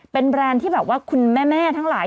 เป็นแบรนด์ที่แบบว่าคุณแม่ทั้งหลาย